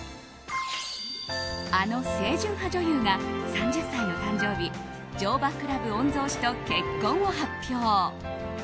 あの清純派女優が３０歳の誕生日乗馬クラブ御曹司と結婚を発表。